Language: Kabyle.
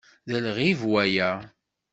D lɣib waya.